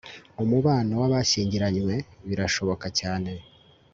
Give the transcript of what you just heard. Umubano wabashyingiranywe birashoboka cyane